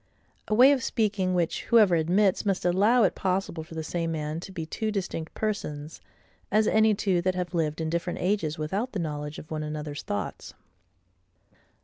A way of speaking which, whoever admits, must allow it possible for the same man to be two distinct persons, as any two that have lived in different ages without the knowledge of one another's thoughts.